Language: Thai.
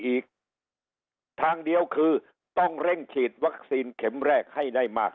อีกทางเดียวคือต้องเร่งฉีดวัคซีนเข็มแรกให้ได้มาก